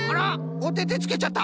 おててつけちゃった！